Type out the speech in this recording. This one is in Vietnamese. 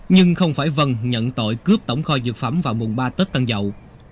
nhưng không phải vân nhận tội cướp tổng kho dược phẩm vào mùng ba tết tân dậu